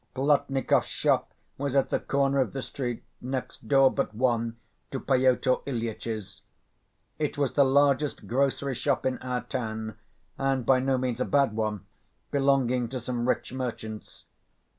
Plotnikov's shop was at the corner of the street, next door but one to Pyotr Ilyitch's. It was the largest grocery shop in our town, and by no means a bad one, belonging to some rich merchants.